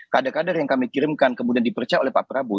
kader kader yang kami kirimkan kemudian dipercaya oleh pak prabowo